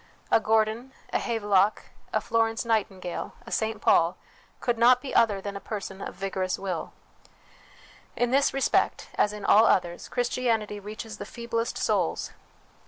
A Gordon, a Havelock, a Flor ence Nightingale, a St Paul, could not be other than a person of vigorous will. In this respect, as in all others, Christianity reaches the feeblest souls.